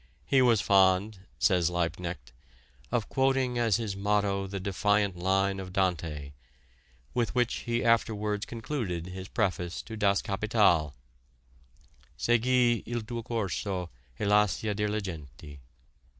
He was fond, says Liebknecht, of quoting as his motto the defiant line of Dante, with which he afterwards concluded his preface to 'Das Kapital': 'Segui il tuo corso e lascia dir le genti.'"